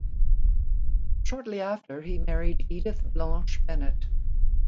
Shortly after he married Edith Blanche Bennett.